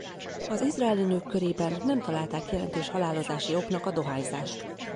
Az izraeli nők körében nem találták jelentős halálozási oknak a dohányzást.